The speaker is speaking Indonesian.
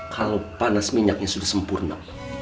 kalau panas minyaknya sudah sempurna